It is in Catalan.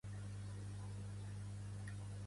Girman sosté que és innocent.